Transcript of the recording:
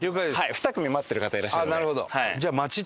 ２組待ってる方いらっしゃるので。